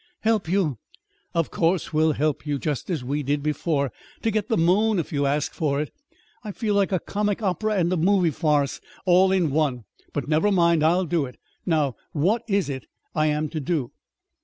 "Help you? Of course we'll help you, just as we did before to get the moon, if you ask for it. I feel like a comic opera and a movie farce all in one; but never mind. I'll do it. Now, what is it I am to do?"